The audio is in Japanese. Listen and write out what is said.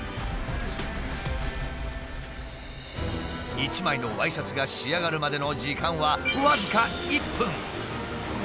１枚のワイシャツが仕上がるまでの時間は僅か１分。